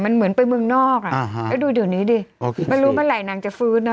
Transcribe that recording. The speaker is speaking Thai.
มันเหมือนไปเมืองนอกอ่ะอ่าฮะแล้วดูเดี๋ยวนี้ดิโอเคไม่รู้เมื่อไหร่นางจะฟื้นเนอ